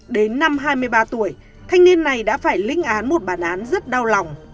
đến năm hai mươi ba tuổi thanh niên này đã phải linh án một bản án rất đau lòng